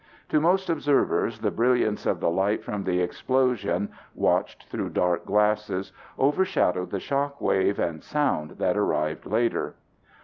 To most observers the brilliance of the light from the explosion watched through dark glasses overshadowed the shock wave and sound that arrived later.